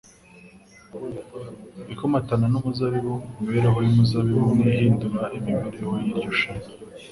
ikomatana n'umuzabibu. Imibereho y'umuzabibu ni yo ihinduka imibereho y'iryo shami